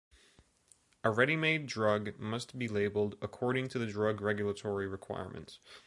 A readymade drug must be labeled according to the drug regulatory requirements.